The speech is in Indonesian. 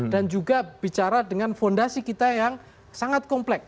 dan juga bicara dengan fondasi kita yang sangat komplek